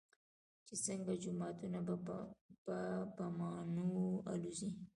چې څنگه جوماتونه په بمانو الوزوي.